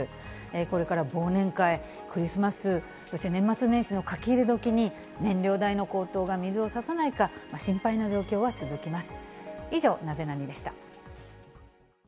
これから忘年会、クリスマス、そして年末年始の書き入れ時に、燃料代の高騰が水をささないか、心配な状況は続きます。